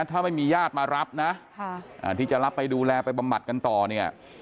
ถ้าไม่มีญาติมารับนะที่จะรับไปดูแลไปบำบัดกันต่อเนี่ย